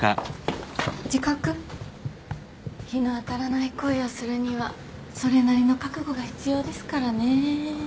日の当たらない恋をするにはそれなりの覚悟が必要ですからね。